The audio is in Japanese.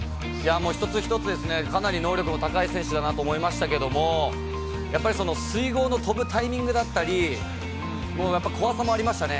一つ一つ、かなり能力の高い選手だなと思いましたけどもやっぱり水濠の跳ぶタイミングだったり、怖さもありましたね。